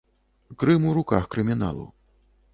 Крым у руках крыміналу.